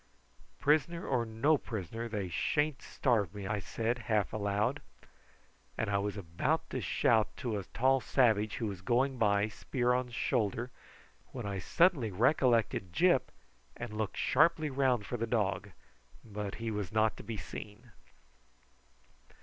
"Prisoner or no prisoner they sha'n't starve me," I said half aloud; and I was about to shout to a tall savage who was going by spear on shoulder, when I suddenly recollected Gyp and looked sharply round for the dog, but he was not to be seen.